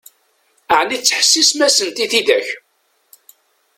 Ɛni tettḥessisem-asent i tidak?